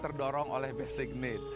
terdorong oleh basic need